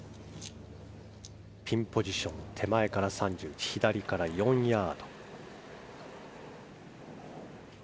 ピンポジション右から３１、左から４ヤード。